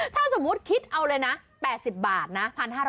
ถ้าสมมุติคิดเอาเลยนะ๘๐บาทนะ